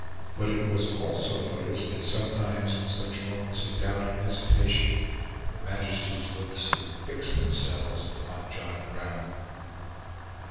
But it was also noticed that sometimes in such moments of doubt and hesitation Her Majesty's looks would fix themselves upon John Brown.